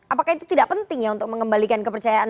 apakah itu tidak penting ya untuk mengembalikan kepercayaan